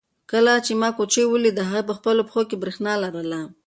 کله چې ما کوچۍ ولیده هغې په خپلو پښو کې برېښنا لرله.